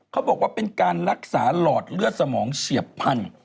เขาบอกว่าเป็นการรักษาหลอดเลือดสมองเฉียบพันธุ